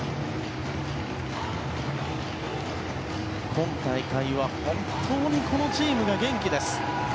今大会は本当にこのチームが元気です。